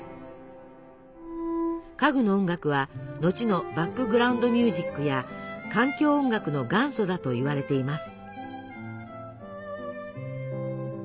「家具の音楽」は後のバックグラウンドミュージックや環境音楽の元祖だといわれています。